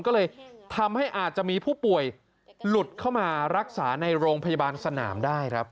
ก็เลยทำให้อาจจะมีผู้ป่วยหลุดเข้ามารักษาในโรงพยาบาลสนามได้ครับ